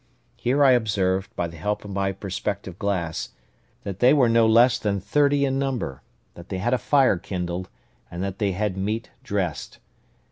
Here I observed, by the help of my perspective glass, that they were no less than thirty in number; that they had a fire kindled, and that they had meat dressed.